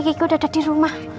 kiki udah ada di rumah